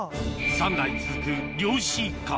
三代続く漁師一家